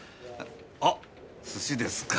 あっ寿司ですか。